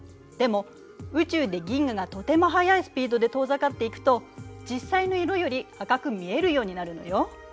でも宇宙で銀河がとても速いスピードで遠ざかっていくと実際の色より赤く見えるようになるのよ。